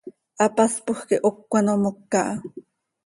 Hapaspoj quih hocö quih ano moca ha.